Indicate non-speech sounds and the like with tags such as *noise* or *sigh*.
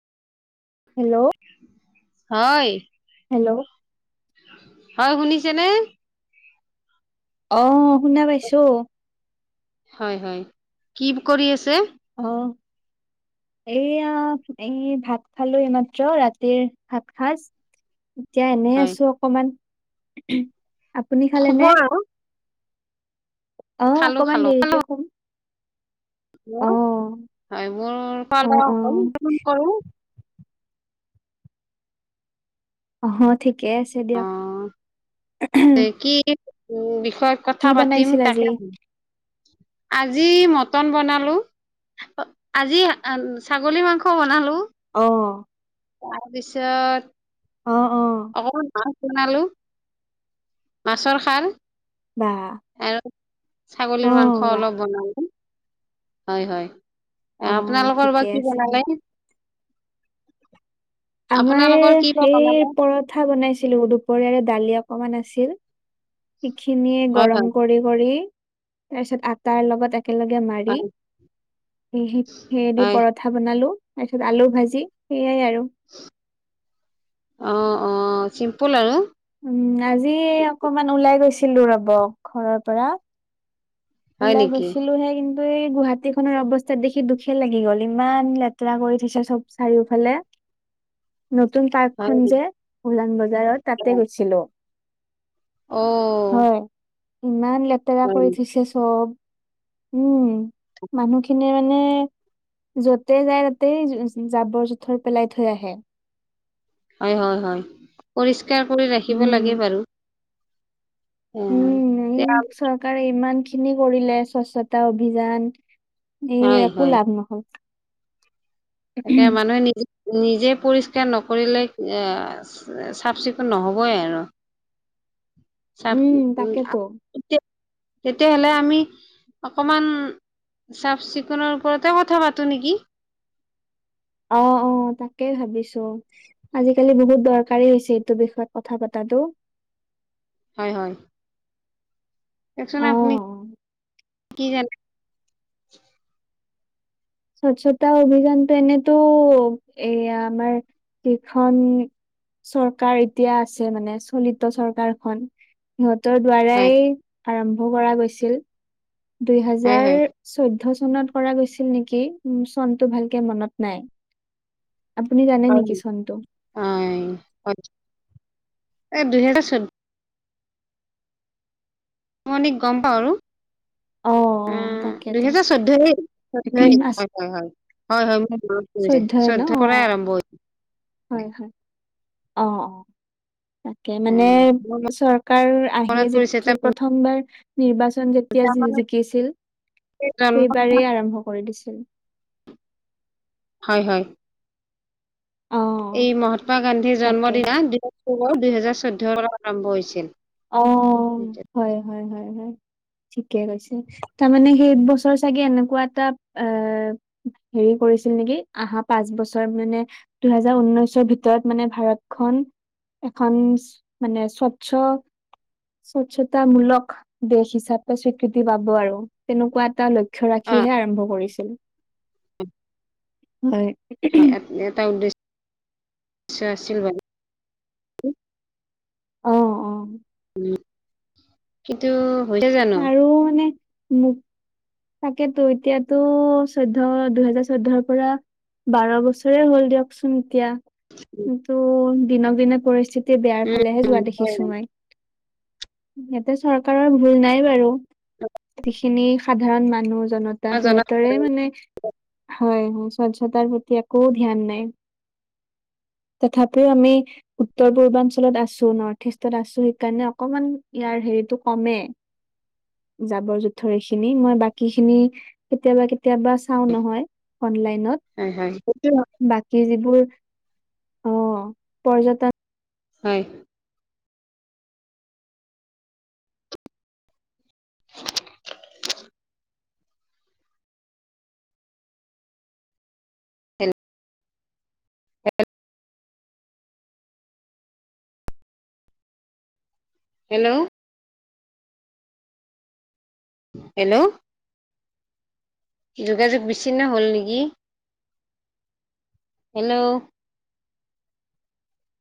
Hello? হয়! Hello? হয়! শুনিছেনে। অ'! শুনা পাইছোঁ। হয়, হয়। কি কৰি আছে? অ'! এইয়া এই ভাত খালোঁ এই মাত্ৰ। ৰাতিৰ ভাত সাঁজ। এতিয়া এনেই হয় আছোঁ অকমান। *unintelligible* আপুনি খালে শুব নে? আৰু অ'! খালো খালো অকমান খালো দেৰিকে শুম। অ *unintelligible* হয়! মোৰ, অ অ *unintelligible* কৰোঁ। অ'! ঠিকে আছে দিয়ক। অ'! কি? উম! বি বিষয়ে কি কথা পাতিম বনাইছিল আজি তাকে। আ আজি মটন বনালোঁ। আজি ছাগলী মাংস বনালোঁ। অ তাৰপিছত, অ অ অকমান নাম শুনালোঁ। মাছৰ খাৰ বাহ আৰু অ ছাগলীৰ মাংস বাহ অলপ বনালোঁ। হয়, অ হয়। আপোনালোকৰ ঠিকে বা কি আছে দিয়ক বনালে? আমাৰ আপোনালোকৰ কি বা সেই, বনালে পৰঠা বনাইছিলোঁ, দুপৰীয়াৰে দালি অকমান আাছিল। সিখিনিয়ে হয় গৰম হয় কৰি, কৰি তাৰপিছত আটাৰ লগত এ একেলগে মাৰি, হয় সেই, দি হয় পৰঠা বনালোঁ। তাৰপিছত, আলু ভাজি সেইয়াই আৰু অ'! অ'! সি *unintelligible* উম! আজি অকমান ওলাই গৈছিলোঁ, ৰ'ব ঘৰৰ পৰা। হয় ওলাই নেকি গৈছিলোঁ হে এই গুৱাহাটী খনৰ অৱস্থাত দেখি দুখে লাগি গ'ল। ইমান লেতেৰা কৰি থৈছে চব চাৰিওফালে। নতুন হয় পাৰ্কখন যে, উজান বজাৰত তাতে গৈছিলোঁ। অ' ইমান লেতেৰা হয় কৰি থৈছে উম মানুহখিনিয়ে মানে যতেই যায় তাতেই জাবৰ জোথৰ পেলাই থৈ আহে হয় হয় হয় পৰিষ্কাৰ পৰিষ্কাৰ কৰি ৰাখিব উম লাগে বাৰু অ উম এই এতিয়া চৰকাৰে ইমান খিনি কৰিলে স্বচ্ছতা অভিযান এই হয় একো হয় লাভ নহ'ল তাকে মানুহে নিজে নিজে পৰিষ্কাৰ নকৰিলে চাফ চিকুণ নহ'বই আৰু চাফ উম, তাকেতো। উম তেতিয়াহলে আমি অকণমান চাফ চিকুণৰ ওপৰতে কথা পাতো নেকি অ অ তাকেই ভাবিছো আজিকালি বহুত দৰকাৰী হৈছে এইটো বিষয়ত কথা পতাতো হয় হয় দেচোন অ আপুনি কি জানে স্বচ্ছতা অভিযানতো এনেইতো এয়া আমাৰ যিখন চৰকাৰ এতিয়া আছে মানে চলিত চৰকাৰখন সিহঁতৰ দ্বাৰাই হয় আৰম্ভ কৰা গৈছিল দুই হয় হাজাৰ হয় চৈধ্য চনত কৰা গৈছিল নেকি উ চনটো ভালকে মনত নাই আপুনি জানে নেকি চন টো এই দুই হাজাৰ চৈধ্য মই এনে গম পাওঁ আৰু অ', উ অ', তাকেতো দুহেজাৰ চৈধ্যয়েই আছে চৈধয়েই হয় ম চৈধ্যয় ন চৈধ্য পৰাই অ', আৰম্ভ হৈছে হয় হয় আহ অ তাকে মানে উম, মোৰ চৰকাৰ আহি মনত যে পৰিছে তাৰ প্ৰথমবাৰ নিৰ্বাচন যেতিয়া তাৰমানে জিকিছিল এই জন্ম সেইবাৰেই আৰম্ভ কৰি দিছিল *unintelligible* উ *unintelligible* হয় হয় অ', এই মহাত্মা গান্ধীৰ তাকে জন্মদিনা দুহেজাৰ চৈধ্য পৰা আৰম্ভ হৈছিল অ হয় হয় হয় হয় হয় ঠিকে কৈছে তাৰমানে সেই বছৰ চাগে এনেকোৱা এটা আহ হেৰি কৰিছিল নেকি অহা পাঁচ বছৰ মানে দুহেজাৰ উনৈশৰ ভিতৰত মানে ভাৰতখন এখন মানে স্বচ্ছ স্বচ্ছতামূলক দেশ হিচাপে স্বীকৃতি পাব আৰু তেনেকোৱাত টা লক্ষ্য অ' ৰাখিহে আৰম্ভ কৰিছিল হয় হয় চ আছিল বাবে অ অ উ কিন্তু হৈছে জানো আৰু মানে মোক তাকেতো এতিয়াতো চৈধ্য দুহেজাৰ চৈধ্যয়ৰ পৰা বাৰ বছৰে হ'ল দিয়কচোন এতিয়া কিন্তু দিনক‌ দিনে পৰিস্থিতি তে বেয়াৰ ফালেহে উম যোৱা উম, হয় দেখিছো হয় মই, সিহঁতে চৰকাৰৰ ভুল নাই বাৰু *unintelligible* খিনি সাধাৰণ মানুহ জনতা মই জনাত সিহঁতৰে মানে হয় হয় স্বচ্ছতাৰ প্ৰতি একো ধ্যান নাই তথাপিও আমি উত্তৰ পূৰ্বাঞ্চলত আছো নৰ্থ ইষ্টত আছো সেইকাৰণে অকমান ইয়াৰ হেৰিতটো কমে জাবৰ জোথৰ এইখিনি মই বাকী খিনি কেতিয়াবা, কেতিয়াবা কেতিয়াবা চাও নহয় হয় হয় সেইটো অনলাইনত বাকী যিবোৰ অ পৰ্যটন হয় *unintelligible* হেল্ল' হেল্ল হেল্ল' হেল্ল' যোগাযোগ বিচ্ছিন্ন হল নেকি? হেল্ল'